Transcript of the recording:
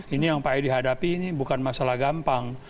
ini yang pak edi hadapi ini bukan masalah gampang